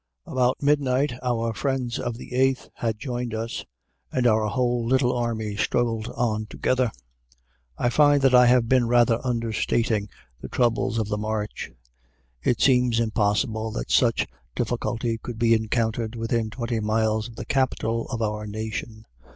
About midnight our friends of the Eighth had joined us, and our whole little army struggled on together. I find that I have been rather understating the troubles of the march. It seems impossible that such difficulty could be encountered within twenty miles of the capital of our nation.